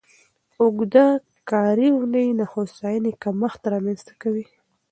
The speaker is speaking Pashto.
اوږده کاري اونۍ د هوساینې کمښت رامنځته کوي.